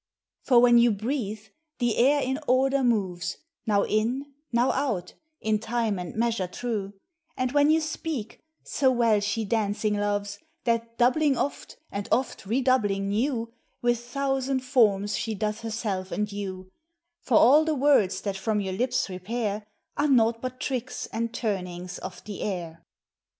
For when you breathe, the air in order moves, Now in, uow out, in time and measure true; And when you speak, so well she dancing loves, That doubling oft, and oft redoubling new, With thousand forms she doth herself endue : For all the words that from your lips repair, Are naught but tricks and turnings of the air.